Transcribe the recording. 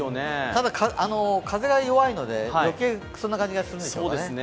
ただ、風が弱いので、余計そんな感じがするんですね。